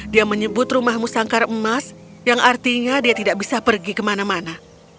dia menyebut rumahmu sangkar emas yang artinya dia tidak bisa pergi kemana mana